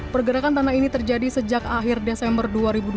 pergerakan tanah ini terjadi sejak akhir desember dua ribu dua puluh